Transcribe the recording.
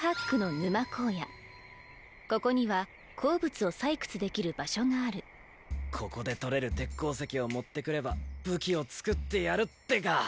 沼の荒野ここには鉱物を採掘できる場所があるここで採れる鉄鉱石を持ってくれば武器を作ってやるってか。